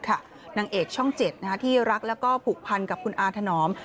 นางเอกช่อง๗ที่รักแล้วก็ผูกพันกับคุณอาถนอม